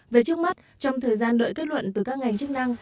về trước mắt trong thời gian đợi kết luận từ các ngành chức năng